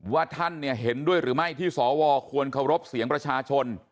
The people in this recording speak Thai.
ว่าท่านเห็นด้วยหรือไม่ที่สวควรเคารพเสียงประชาชน